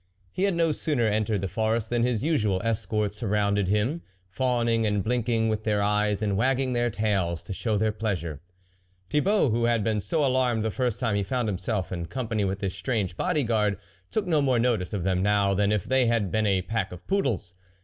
He had no sooner entered the forest than his usual escort surrounded him, fawning and blink ing with their eyes and wagging their tails to show their pleasure. Thibault, who had been so alarmed the first time he found himself in company with this strange body guard, took no more notice of them now than if they had been a pack of poodles.